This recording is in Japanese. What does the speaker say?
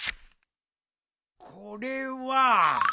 これは。